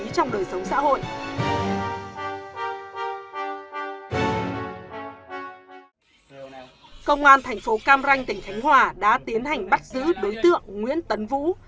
công an thành phố cam ranh tỉnh khánh hòa đã tiến hành bắt giữ đối tượng nguyễn tấn vũ